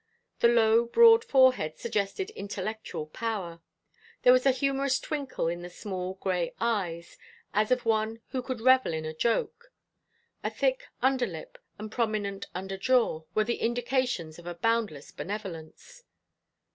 The low broad forehead suggested intellectual power; there was a humorous twinkle in the small gray eyes, as of one who could revel in a joke; the thick under lip and prominent under jaw were the indications of a boundless benevolence.